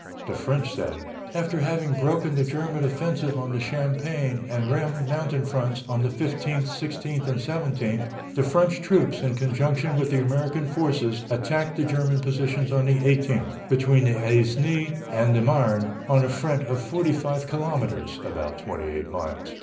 The French said: "After having broken the German offensive on the Champagne and Rheims mountain fronts on the 15th, 16th, and 17th, the French troops, in conjunction with the American forces, attacked the German positions on the 18th, between the Aisne and the Marne on a front of forty five kilometres [about twenty eight miles].